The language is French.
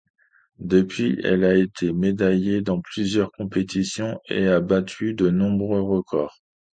Depuis, elle a été médaillée dans plusieurs compétitions et a battu de nombreux records.